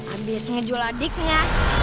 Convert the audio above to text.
abis ngejual adiknya